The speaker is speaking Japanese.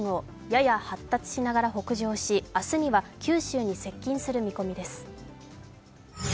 やや発達しながら北上し明日には九州に接近する見込みです。